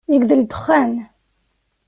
Yegdel dexxan!